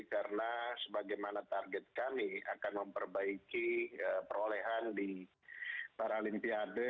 karena sebagaimana target kami akan memperbaiki perolehan di paralimpiade